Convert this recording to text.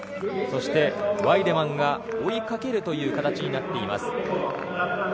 ワイデマンが追いかけるという形になっています。